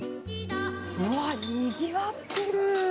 うわ、にぎわってる。